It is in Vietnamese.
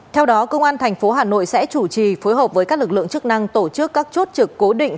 theo đó công an tp hà nội sẽ chủ trì phối hợp với các lực lượng chức năng tổ chức các chốt trực cố định